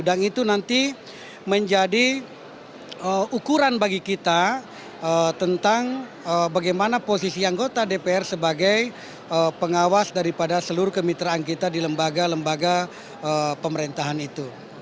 dan itu nanti menjadi ukuran bagi kita tentang bagaimana posisi anggota dpr sebagai pengawas daripada seluruh kemitraan kita di lembaga lembaga pemerintahan itu